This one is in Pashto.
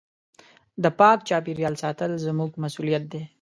د پاک چاپېریال ساتل زموږ مسؤلیت دی.